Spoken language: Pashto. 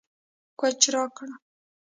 کوچ راکړه